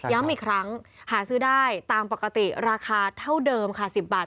อีกครั้งหาซื้อได้ตามปกติราคาเท่าเดิมค่ะ๑๐บาท